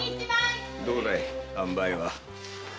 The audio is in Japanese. どうだいあんばいは？